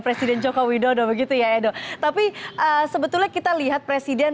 presiden joko widodo begitu ya edo tapi sebetulnya kita lihat presiden